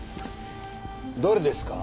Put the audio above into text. どれですか？